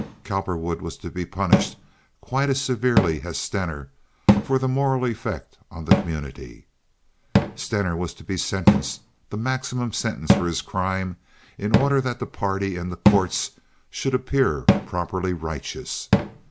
Cowperwood was to be punished quite as severely as Stener for the moral effect on the community. Stener was to be sentenced the maximum sentence for his crime in order that the party and the courts should appear properly righteous.